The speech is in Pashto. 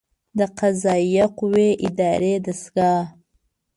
د قضائیه قوې اداري دستګاه